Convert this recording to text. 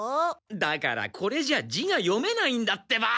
だからこれじゃ字が読めないんだってば！